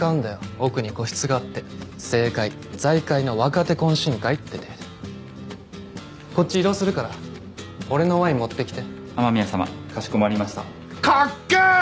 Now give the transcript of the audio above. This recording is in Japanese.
奥に個室があって政界財界の若手懇親会って体でこっち移動するから俺のワイン持ってきて雨宮さまかしこまりましたかっけえ！